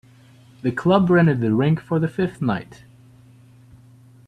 The club rented the rink for the fifth night.